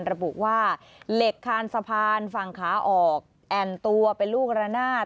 ระบุว่าเหล็กคานสะพานฝั่งขาออกแอ่นตัวเป็นลูกระนาด